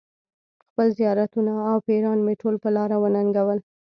خپل زیارتونه او پیران مې ټول په لاره وننګول.